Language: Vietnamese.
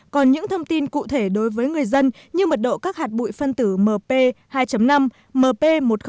còn những thông tin cụ thể đối với người dân như mật độ các hạt bụi phân tử mp hai năm m một